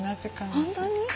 本当に？